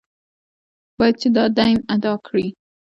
باید چې دا دین ادا کړي.